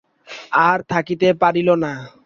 আর থাকিতে পারিল না।